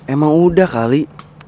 emang udah kali